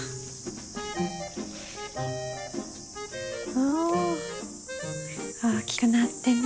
大きくなってね。